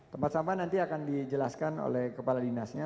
tempat sampah nanti akan dijelaskan oleh kepala dinasnya